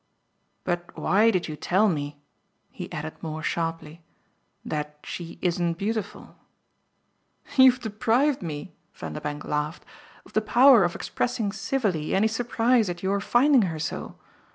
But why did you tell me," he added more sharply, "that she isn't beautiful?" "You've deprived me," Vanderbank laughed, "of the power of expressing civilly any surprise at your finding her so.